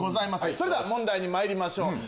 それでは問題にまいりましょう。